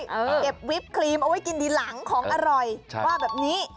เก็บวิปครีมเอาไว้กินทีหลังของอร่อยว่าแบบนี้